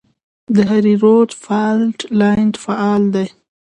د هریرود فالټ لاین فعال دی